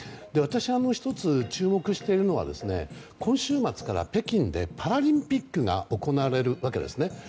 私が１つ注目しているのは今週末から北京でパラリンピックが行われるわけですね。